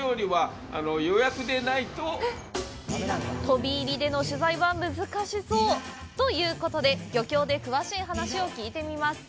飛び入りでの取材は難しそうということで漁協で詳しい話を聞いてみます。